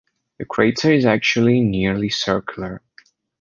The crater is actually nearly circular.